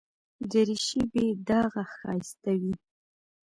دریشي بې داغه ښایسته وي.